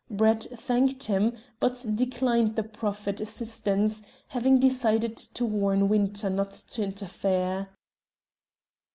Brett thanked him, but declined the proffered assistance, having decided to warn Winter not to interfere.